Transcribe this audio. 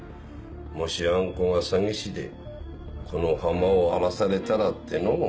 もしあん子が詐欺師でこの浜を荒らされたらってのう。